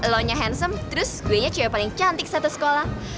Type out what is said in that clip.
lo nya hansem terus gue nya cewek paling cantik satu sekolah